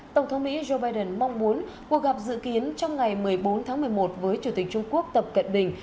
tổng thống mỹ joe biden mong muốn cuộc gặp dự kiến trong ngày một mươi bốn tháng một mươi một với chủ tịch trung quốc tập cận bình